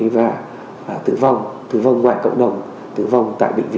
và tử vong tử vong ngoài cộng đồng tử vong tại bệnh viện